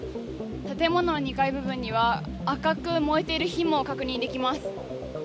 建物の２階部分には赤く燃えている火も確認できます。